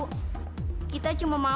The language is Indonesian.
ibu maya yang merintah merintah kita sih